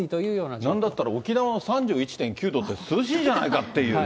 なんだったら沖縄の３１．９度って、涼しいじゃないかっていう。